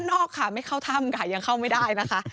นอกค่ะไม่เข้าถ้ำค่ะยังเข้าไม่ได้นะคะ